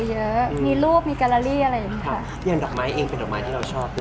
หลักเยอะมีรูปมีการะรีอะไรอย่างนี้